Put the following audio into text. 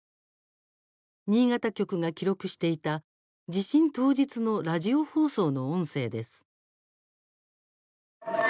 新潟局が記録していた地震当日のラジオ放送の音声です。